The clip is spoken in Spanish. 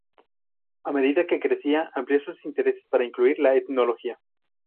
A medida que crecía amplió sus intereses para incluir la etnología.